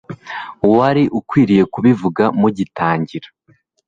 Wari ukwiye kubivuga mugitangira.